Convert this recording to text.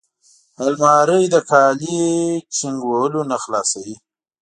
الماري د کالي چینګ وهلو نه خلاصوي